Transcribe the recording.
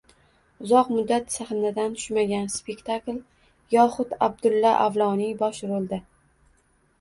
Uzoq muddat sahnadan tushmagan spektakl yoxud Abdulla Avloniy bosh rolda